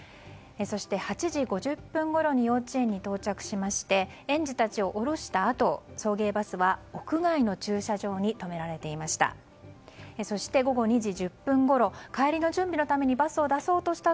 そして８時５０分ごろに幼稚園に到着しまして園児たちを降ろしたあと送迎バスは屋外の駐車場に止められていました。